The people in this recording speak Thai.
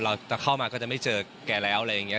จะเข้ามาก็จะไม่เจอแกแล้วอะไรอย่างนี้